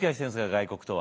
外国とは。